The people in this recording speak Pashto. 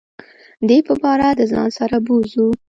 دی به باره دځان سره بوزو .